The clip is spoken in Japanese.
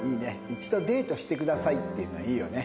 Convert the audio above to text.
「一度デートしてください」っていうのはいいよね。